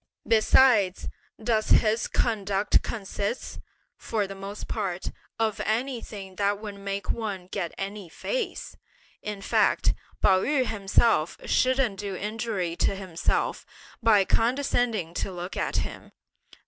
Besides, does his conduct consist, for the most part, of anything that would make one get any face? In fact, Pao yü himself shouldn't do injury to himself by condescending to look at him.